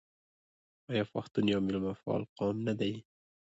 آیا پښتون یو میلمه پال قوم نه دی؟